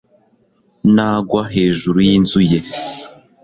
Nagwa hejuru yinzu ye